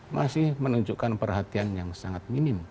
masih menunjukkan perhatian yang sangat minim